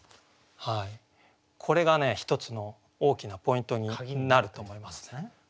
これが１つの大きなポイントになると思いますね。